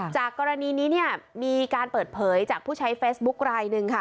จากกรณีนี้เนี่ยมีการเปิดเผยจากผู้ใช้เฟซบุ๊คลายหนึ่งค่ะ